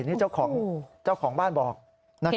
นี่เจ้าของบ้านบอกนะครับ